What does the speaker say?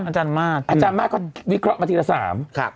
อาจารย์มากก็วิเคราะห์มาทีละ๓